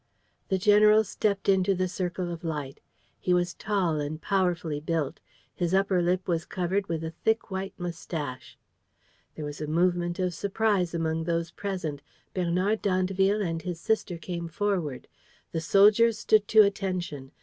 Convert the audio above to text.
The general stepped into the circle of light. He was tall and powerfully built. His upper lip was covered with a thick white mustache. There was a movement of surprise among those present. Bernard d'Andeville and his sister came forward. The soldiers stood to attention.